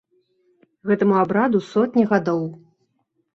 Гэтаму абраду сотні гадоў.